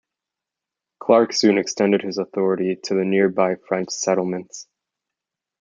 Clark soon extended his authority to the nearby French settlements.